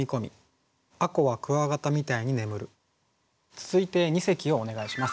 続いて二席をお願いします。